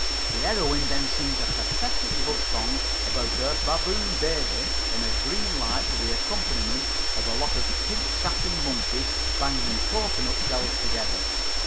"The heroine then sings a pathetic love song about her baboon baby, in a green light to the accompaniment of a lot of pink satin monkeys banging cocoanut shells together.